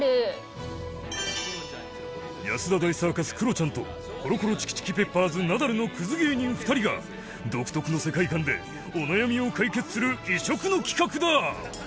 安田大サーカスクロちゃんとコロコロチキチキペッパーズナダルのクズ芸人２人が独特の世界観でお悩みを解決する異色の企画だ！